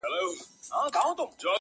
د غازیانو له شامته هدیرې دي چي ډکیږی!.